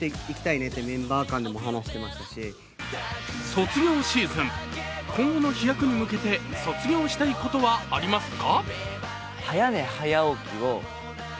卒業シーズン、今後の飛躍に向けて卒業したいことはありますか。